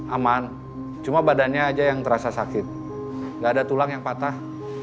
aman cuma badannya aja yang terasa sakit nggak ada tulang yang patah